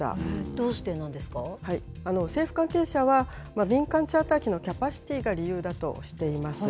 政府関係者は民間チャーター機のキャパシティが理由だとしています。